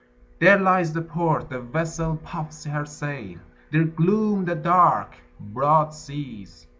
There lies the port; the vessel puffs her sail: There gloom the dark, broad seas.